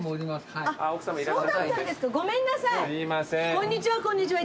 「こんにちはこんにちは」